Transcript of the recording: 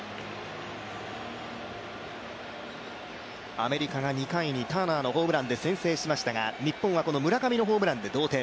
アメリカが２回にターナーのホームランで先制しましたが、日本は村上のホームランで同点。